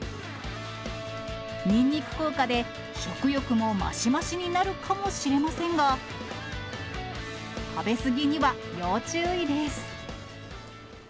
ニンニク効果で、食欲もマシマシになるかもしれませんが、食べ過ぎには要注意です。